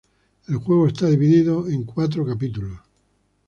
El juego está dividido en cuatro capítulos.